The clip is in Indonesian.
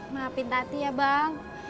maafin tati ya bang